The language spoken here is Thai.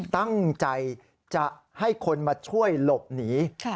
ตั้งใจจะให้คนมาช่วยหลบหนี